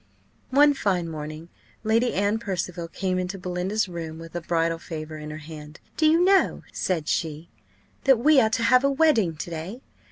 One fine morning Lady Anne Percival came into Belinda's room with a bridal favour in her hand. "Do you know," said she, "that we are to have a wedding to day?